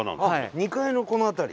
２階のこの辺り。